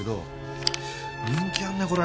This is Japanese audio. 人気あるねこれ。